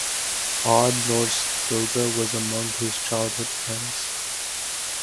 Odd Nordstoga was among his childhood friends.